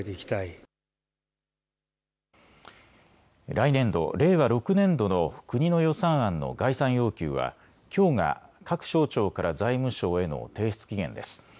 来年度令和６年度の国の予算案の概算要求はきょうが各省庁から財務省への提出期限です。